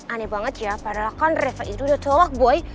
aneh banget ya padahal kan reva itu udah tolak boy